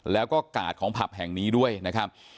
แล้วก็กาดของผับแห่งนี้ด้วยนะครับ